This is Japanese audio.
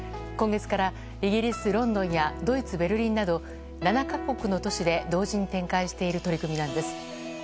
今月からイギリス・ロンドンやドイツ・ベルリンなど７か国の都市で同時に展開している取り組みなんです。